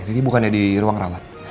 ini bukannya di ruang rawat